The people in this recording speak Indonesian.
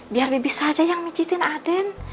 biar bibi saja yang micetin aden